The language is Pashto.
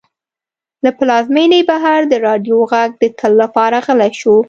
له پلازمېنې بهر د راډیو غږ د تل لپاره غلی شو.